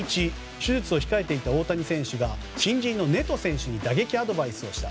手術を控えていた大谷選手が新人のネト選手に打撃アドバイスをした。